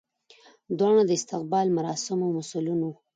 دواړه د استقبال مراسمو مسولین وو.